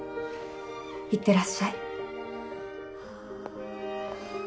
いってらっしゃい。